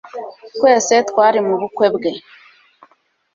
Twese twari mubukwe bwe.